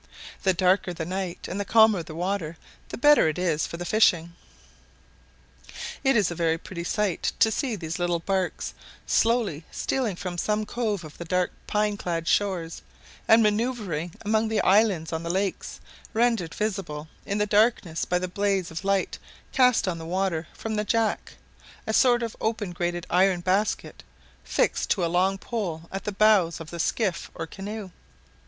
The darker the night and the calmer the water the better it is for the fishing. It is a very pretty sight to see these little barks slowly stealing from some cove of the dark pine clad shores, and manoeuvring among the islands on the lakes, rendered visible in the darkness by the blaze of light cast on the water from the jack a sort of open grated iron basket, fixed to a long pole at the bows of the skiff or canoe.